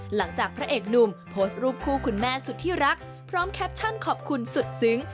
หลังจากพระเอกหนุ่มโพสต์รูปคู่คุณแม่สุดที่รักพร้อมแคปชั่นขอบคุณสุดซึ้ง